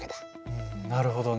うんなるほどね。